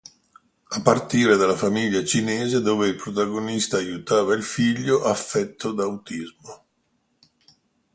A partire dalla famiglia cinese dove il protagonista aiutava il figlio affetto da autismo.